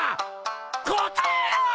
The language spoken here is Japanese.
答えろ！